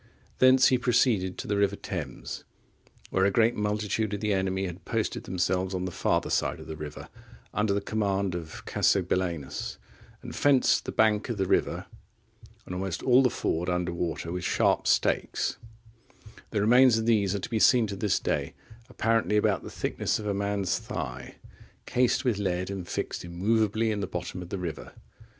Thence he proceeded to the river Thames, where a great multitude of the enemy had posted themselves on the farther side of the river, under the command of Cassobellaunus,(34) and fenced the bank of the river and almost all the ford under water with sharp stakes: the remains of these are to be seen to this day, apparently about the thickness of a man's thigh, cased with lead, and fixed immovably in the bottom of the river.